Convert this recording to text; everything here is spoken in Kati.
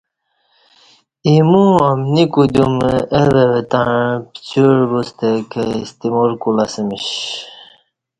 ایمو امنی کدیوم او او تݩع پڅیوع بوستہ کہ استعمال کولہ اسمش کہ